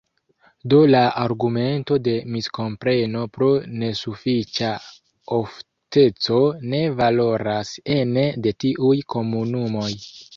Do la argumento de miskompreno pro nesufiĉa ofteco ne valoras ene de tiuj komunumoj.